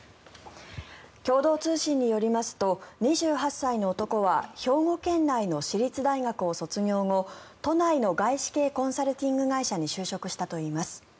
共同通信によりますと２８歳の男は兵庫県内の私立大学を卒業後都内の外資系コンサルティング会社に就職したといいます。